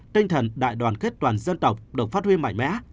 tinh thần đại đoàn kết toàn dân tộc được phát huy mạnh mẽ